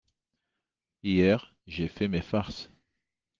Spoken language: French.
Hier ; j’ai fait mes farces…